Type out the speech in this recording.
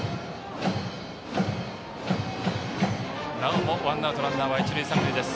なおもワンアウトランナー、一塁三塁です。